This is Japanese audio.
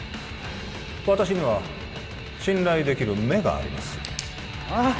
私には信頼できる目がありますああ？